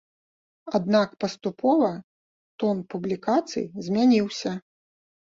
Аднак паступова тон публікацый змяніўся.